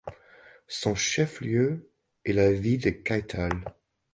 Son chef-lieu est la ville de Kaithal.